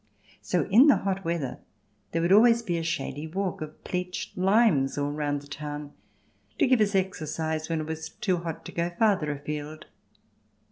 So, in the hot weather there would be a shady walk of pleached limes all round the town, to give us exercise when it was too hot to go farther afield.